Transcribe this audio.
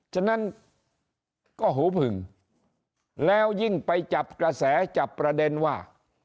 ฉะนั้นก็หูผึ่งแล้วยิ่งไปจับกระแสจับประเด็นว่า